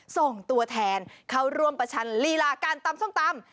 ส่งตัวแทนเข้าร่วมประชันลีลาการตำส้มตำ